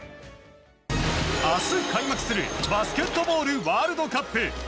明日開幕するバスケットボールワールドカップ。